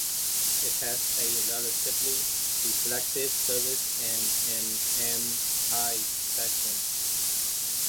It has a relatively reflective surface and an M-type spectrum.